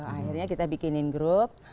akhirnya kita bikinin grup